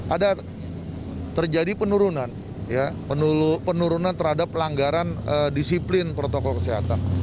ada terjadi penurunan terhadap pelanggaran disiplin protokol kesehatan